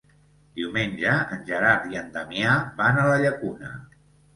Diumenge en Gerard i en Damià van a la Llacuna.